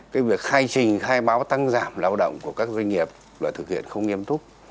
cái việc khai trình khai báo tăng giảm lao động của các doanh nghiệp là thực hiện không nghiêm túc